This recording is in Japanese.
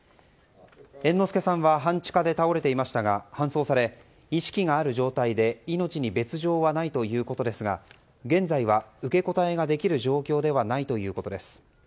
猿之助さんは半地下で倒れていましたが搬送され意識がある状態で命に別条はないということですが現在は受け答えができる状況ではないということです。